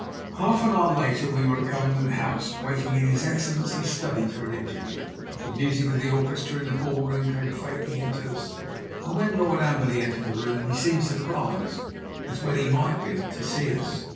Half an hour later we were at Government House waiting in his Excellency's study for an interview. The music of the orchestra in the ball room came faintly in to us, and when Lord Amberley entered the room he seemed surprised, as well he might be, to see us.